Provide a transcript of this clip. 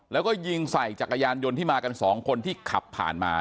แล้วก็ยิงใส่จักรยานยนต์ที่มากันสองคนที่ขับผ่านมา